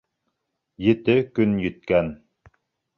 Ете көн еткән.